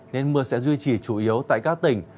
nên mưa sẽ duy trì chủ yếu tại các tỉnh